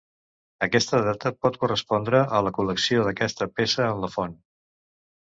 Aquesta data pot correspondre a la col·lecció d'aquesta peça en la font.